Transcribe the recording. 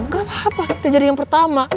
gak apa apa kita jadi yang pertama